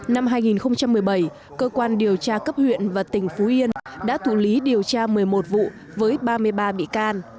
năm hai nghìn một mươi bảy cơ quan điều tra cấp huyện và tỉnh phú yên đã thủ lý điều tra một mươi một vụ với ba mươi ba bị can